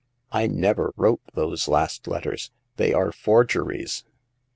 I never wrote those last letters ; they are for geries